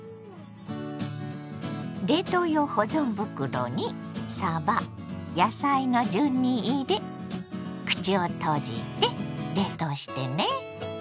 冷凍用保存袋にさば野菜の順に入れ口を閉じて冷凍してね。